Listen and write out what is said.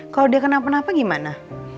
kalau dia kenapa gimana